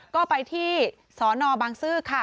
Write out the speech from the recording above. ก็ไปที่สนบังซื้อค่ะ